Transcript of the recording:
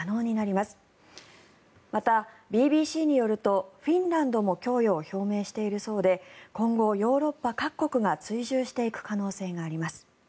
また、ＢＢＣによるとフィンランドも供与を表明しているそうで今後、ヨーロッパ各国が追従していく可能性があります。